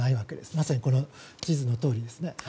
まさにこの地図のとおりですね。